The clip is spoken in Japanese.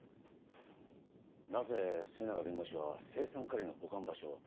なぜ末永弁護士は青酸カリの保管場所を？